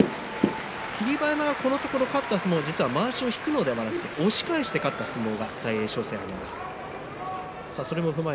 霧馬山は、このところ勝った相撲は実はまわしを引くのではなくて押し返して勝った相撲が大栄翔戦です。